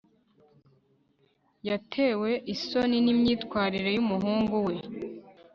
yatewe isoni n imyitwarire yumuhungu we